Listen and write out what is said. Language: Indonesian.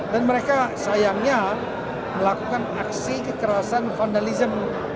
dan mereka sayangnya melakukan aksi kekerasan vandalism